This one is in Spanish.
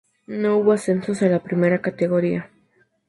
No hubo ascensos a la primera categoría.